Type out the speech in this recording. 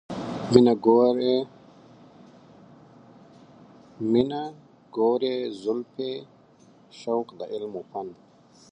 مینه، ګورې زلفې، شوق د علم و فن